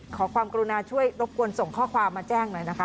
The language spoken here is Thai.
ขอความกรุณาช่วยรบกวนส่งข้อความมาแจ้งหน่อยนะคะ